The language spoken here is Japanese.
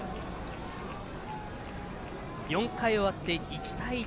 ４回終わって、１対１。